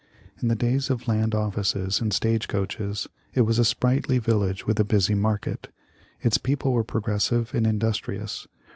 In the days of land offices and stage coaches it was a sprightly village with a busy market. Its people were progressive and industri ous.